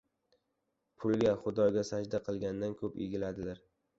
• Pulga Xudoga sajda qilgandan ko‘p egiladilar.